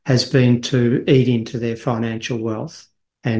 adalah untuk mengembangkan keuntungan finansial mereka